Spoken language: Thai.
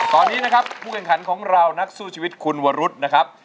ตอนนี้นะครับผู้แข่งขันของเรานักสู้ชีวิตคุณวรุษนะครับ